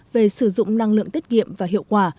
về sử dụng năng lượng tiết kiệm và hiệu quả